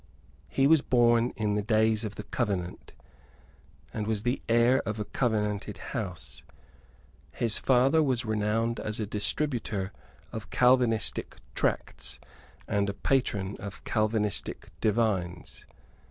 He was born in the days of the Covenant, and was the heir of a covenanted house. His father was renowned as a distributor of Calvinistic tracts, and a patron of Calvinistic divines.